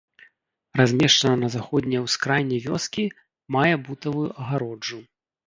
Размешчана на заходняй ускраіне вёскі, мае бутавую агароджу.